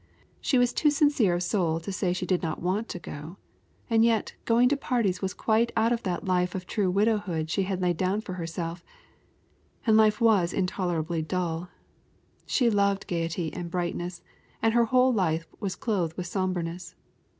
She was too sincere of soul to say she did not want to go; and yet going to parties was quite out of that life of true widowhood she had laid down for herself; and life was intolerably dull. She loved gayety and brightness, and her whole life was clothed with somberness.